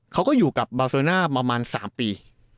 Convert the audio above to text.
เขาก็อยู่กับบาซาวน่าปี